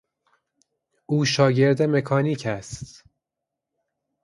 او شاگرد مکانیک است.